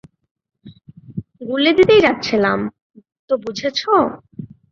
গুলি দিতেই যাচ্ছিলাম, তো বুঝেছো?